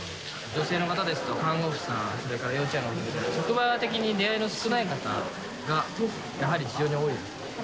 女性の方ですと、看護師さん、それから幼稚園の先生、職場的に出会いの少ない方が、やはり非常に多いです。